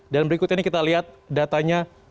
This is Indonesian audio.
dan berikut ini kita lihat datanya